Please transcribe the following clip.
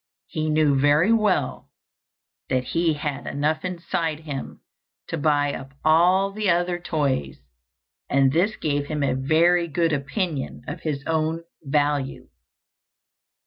He knew very well that he had enough inside him to buy up all the other toys, and this gave him a very good opinion of his own value.